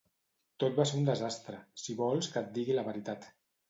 Tot va ser un desastre, si vols que et digui la veritat.